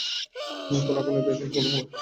খুনাখুনিতে এসব সমাধান হবে?